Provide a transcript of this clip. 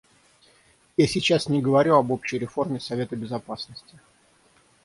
Я сейчас не говорю об общей реформе Совета Безопасности.